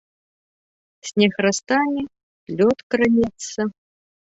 Снег растане, лёд кранецца.